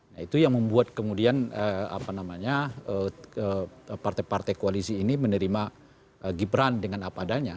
nah itu yang membuat kemudian partai partai koalisi ini menerima gibran dengan apa adanya